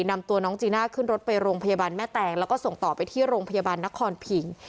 นำตัวน้องจีน่าขึ้นรถไปโรงพยาบาลแม่แตงแล้วก็ส่งต่อไปที่โรงพยาบาลนครพิง